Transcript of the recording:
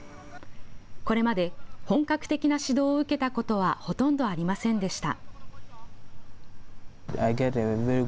これまで本格的な指導を受けたことはほとんどありませんでした。